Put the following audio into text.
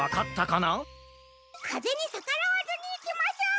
かぜにさからわずにいきます！